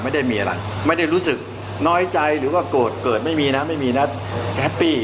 ไม่ได้มีอะไรไม่ได้รู้สึกน้อยใจหรือว่าโกรธเกิดไม่มีนะไม่มีนะแฮปปี้